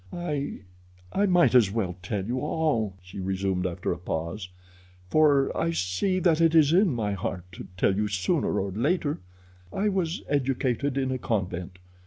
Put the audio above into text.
"I might as well tell you all," she resumed after a pause, "for I see that it is in my heart to tell you sooner or later. I was educated in a convent.